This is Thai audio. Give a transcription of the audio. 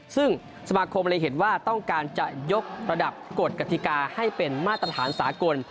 ซึ่งสมาคมเลยเห็นว่าต้องการจะยกระดับกฎกติกาให้เป็นมาตรฐานสากล